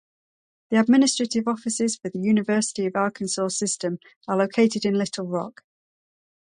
The administrative offices for the University of Arkansas System are located in Little Rock.